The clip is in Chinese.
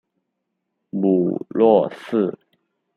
母骆氏。